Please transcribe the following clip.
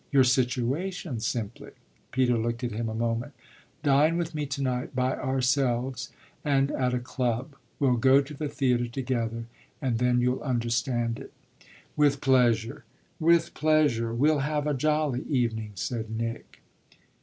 "Your situation, simply." Peter looked at him a moment. "Dine with me to night by ourselves and at a club. We'll go to the theatre together and then you'll understand it." "With pleasure, with pleasure: we'll have a jolly evening," said Nick.